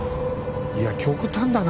いや極端だな。